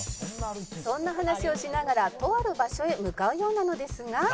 「そんな話をしながらとある場所へ向かうようなのですが」